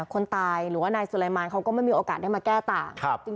คนตายหรือว่านายสุรายมานเขาก็ไม่มีโอกาสได้มาแก้ต่าง